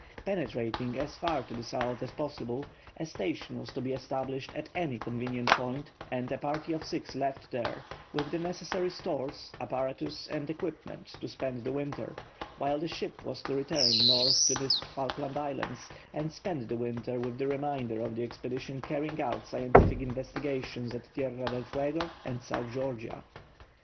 Penetrating as far to the south as possible, a station was to be established at any convenient point and a party of six left there, with the necessary stores, apparatus, and equipment, to spend the winter, while the ship was to return north to the Falkland Islands and spend the winter with the remainder of the expedition carrying out scientific investigations at Tierra del Fuego and South Georgia.